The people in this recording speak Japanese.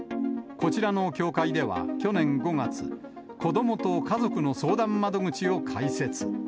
こちらの協会では、去年５月、子どもと家族の相談窓口を開設。